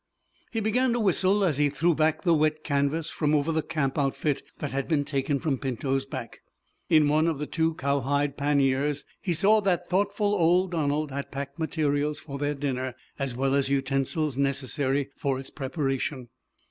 He began to whistle as he threw back the wet canvas from over the camp outfit that had been taken from Pinto's back. In one of the two cow hide panniers he saw that thoughtful old Donald had packed materials for their dinner, as well as utensils necessary for its preparation.